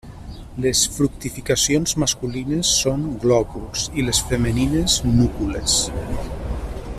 Les fructificacions masculines són glòbuls i les femenines núcules.